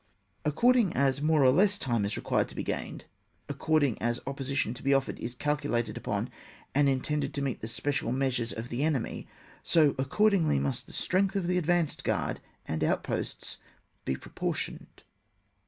According as more or less time is required to be gained, according as the opposition to be offered is calcidated upon and intended to meet the special measures of the enemy, so accordingly must the strength of the advanced guard and outposts be proportioned.